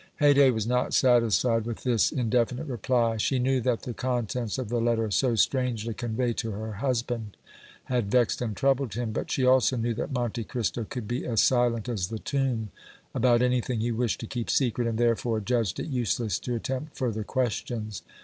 Haydée was not satisfied with this indefinite reply; she knew that the contents of the letter so strangely conveyed to her husband had vexed and troubled him; but she also knew that Monte Cristo could be as silent as the tomb about anything he wished to keep secret, and, therefore, judged it useless to attempt further questions.